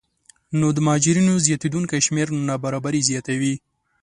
نو د مهاجرینو زیاتېدونکی شمېر نابرابري زیاتوي